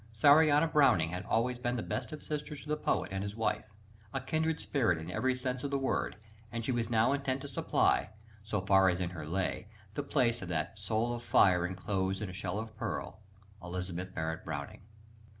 Sarianna Browning had always been the best of sisters to the poet and his wife, a kindred spirit in every sense of the word; and she was now intent to supply, so far as in her lay, the place of that "soul of fire enclosed in a shell of pearl" Elizabeth Barrett Browning.